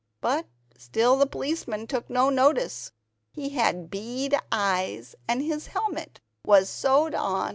But still the policeman took no notice. He had bead eyes, and his helmet was sewed on with stitches.